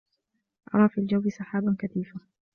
أَرَى فِي الْجَوِّ سَحَابًا كَثِيفَا.